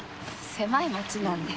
狭い町なんで。